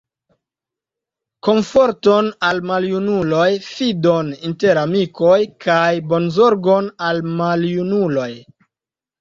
Komforton al maljunuloj, fidon inter amikoj, kaj bonzorgon al maljunuloj.